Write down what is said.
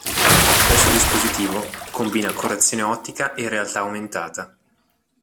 Questo dispositivo combina correzione ottica e realtà aumentata.